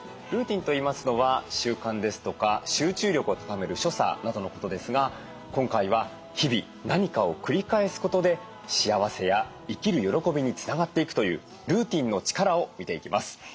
ルーティンといいますのは習慣ですとか集中力を高める所作などのことですが今回は日々何かを繰り返すことで幸せや生きる喜びにつながっていくというルーティンの力を見ていきます。